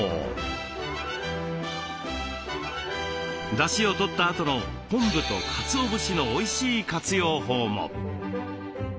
だしをとったあとの昆布とかつお節のおいしい活用法も。